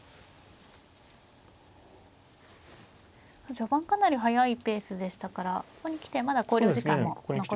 序盤かなり速いペースでしたからここに来てまだ考慮時間も残していますね。